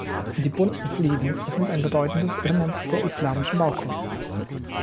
Die bunten Fliesen sind ein bedeutendes Element der islamischen Baukunst.